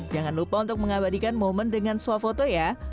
jangan lupa untuk mengabadikan momen dengan swafoto ya